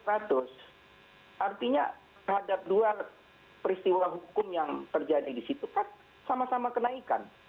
artinya terhadap dua peristiwa hukum yang terjadi di situ kan sama sama kenaikan